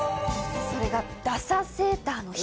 それがダサセーターの日。